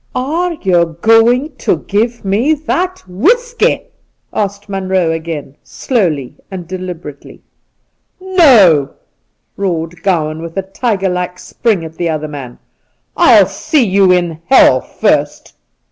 ' Are — you — going — to — give — me — that — whisky V asked Munroe again, slowly and deliber ately. ' No !' roared Gowan, with a tiger like spring at the other man ;' I'll see you in heU first